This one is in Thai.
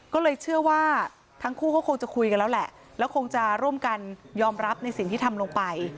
ก็เลยเชื่อว่าทั้งคู่เขาคงจะคุยกันแล้วแหละแล้วคงจะร่วมกันยอมรับในสิ่งที่ทำลงไป